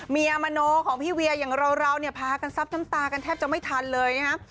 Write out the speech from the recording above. เมียมโนของพี่เวียอย่างเราเนี่ยพากันซับน้ำตากันแทบจะไม่ทันเลยนะครับ